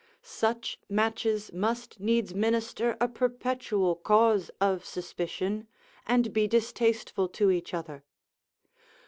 such matches must needs minister a perpetual cause of suspicion, and be distasteful to each other.